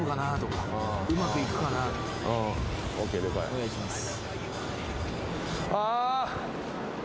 お願いします。